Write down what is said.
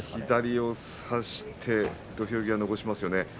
左を差して土俵際残しますよね